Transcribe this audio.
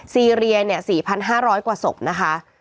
ซีเรีย๔๕๐๐กว่าศพนะคะ